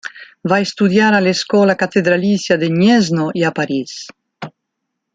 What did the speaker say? Va estudiar a l'escola catedralícia de Gniezno i a París.